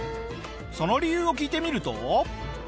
その理由を聞いてみると。